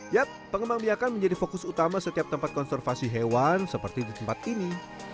yap pengembang biakan menjadi fokus utama setiap tempat konservasi hewan seperti di tempat ini